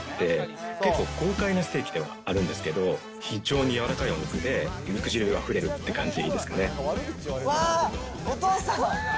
焼き加減とかがすごくよくて、結構豪快なステーキではあるんですけど、非常に柔らかいお肉で、肉汁あふれるっていう感じですかね。